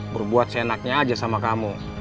berbuat seenaknya aja sama kamu